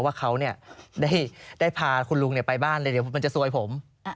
ว่าเขาได้พาคุณลุงไปบ้านเลยเดี๋ยวมันจะซวยผม